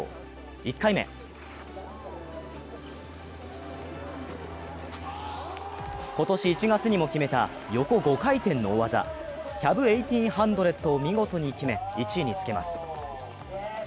１回目今年１月にも決めた横５回転の大技、キャブ１８００を見事に決め、１位につけます。